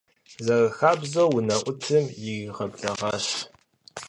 Зэрыхабзэу унэӀутым иригъэблэгъащ.